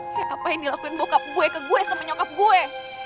kaya apa yang dilakuin bokap gue ke gue sama nyokap gue